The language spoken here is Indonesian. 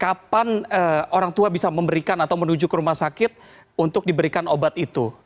kapan orang tua bisa memberikan atau menuju ke rumah sakit untuk diberikan obat itu